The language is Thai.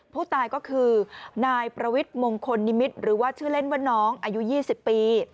ผู้ตายก็คือนายประวิทย์มงคลนิมิตรหรือว่าชื่อเล่นว่าน้องอายุ๒๐ปี